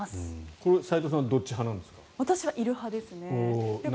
これ、斎藤さんはどっち派なんですか？